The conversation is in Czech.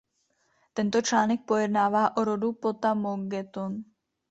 Tento článek pojednává o rodu "Potamogeton".